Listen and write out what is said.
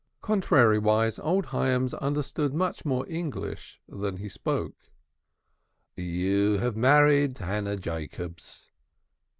Contrariwise, old Hyams understood much more English than he spoke. "You have married Hannah Jacobs."